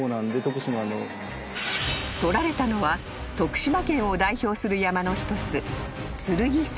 ［撮られたのは徳島県を代表する山の一つ］